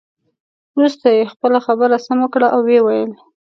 وروسته یې خپله خبره سمه کړه او ويې ویل.